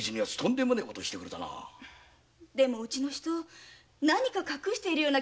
でもうちの人何か隠しているような気がしてならないんです。